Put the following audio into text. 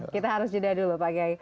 kita harus jeda dulu pak kiai